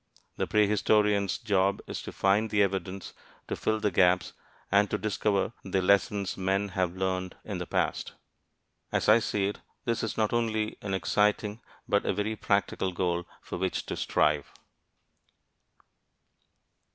The prehistorian's job is to find the evidence, to fill the gaps, and to discover the lessons men have learned in the past. As I see it, this is not only an exciting but a very practical goal for which to strive.